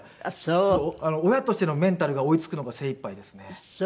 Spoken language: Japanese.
親としてのメンタルが追い付くのが精いっぱいですね。